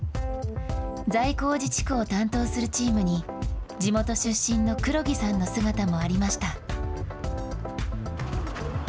財光寺地区を担当するチームに、地元出身の黒木さんの姿もありました。